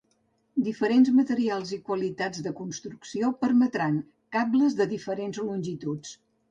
Diferents materials i qualitats de construcció permetran cables de diferents longituds.